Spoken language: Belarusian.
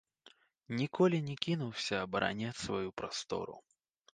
Ніколі не кінуся абараняць сваю прастору.